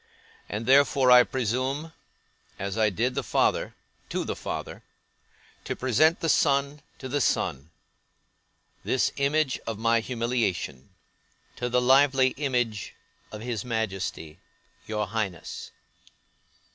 And therefore, I presume (as I did the father, to the Father) to present the son to the Son; this image of my humiliation, to the lively image of his Majesty, your Highness.